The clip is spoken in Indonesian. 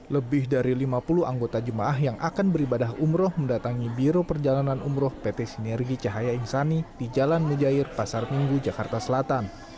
lebih dari lima puluh anggota jemaah yang akan beribadah umroh mendatangi biro perjalanan umroh pt sinergi cahaya insani di jalan mujair pasar minggu jakarta selatan